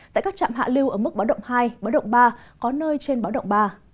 tại các trạm hạ lưu ở mức bãi động hai bãi động ba có nơi trên bãi động ba